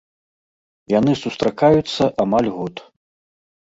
Яны сустракаюцца амаль год.